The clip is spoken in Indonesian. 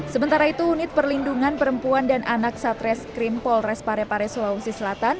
sementara itu unit perlindungan perempuan dan anak satres krim polres parepare sulawesi selatan